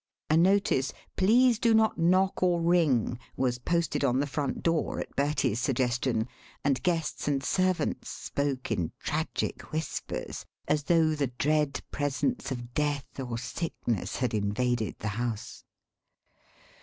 A notice, "Please do not Knock or Ring," was posted on the front door at Bertie's suggestion, and guests and servants spoke in tragic whispers as though the dread presence of death or sickness had invaded the house.